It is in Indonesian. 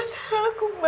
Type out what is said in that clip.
rini semua salah aku ma